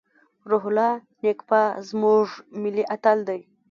روح الله نیکپا زموږ ملي اتل دی.